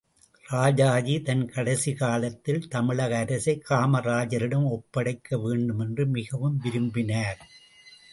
ராஜாஜி தன் கடைசி காலத்தில் தமிழக அரசை காமராஜரிடம் ஒப்படைக்க வேண்டுமென்று மிகவும் விரும்பினார்.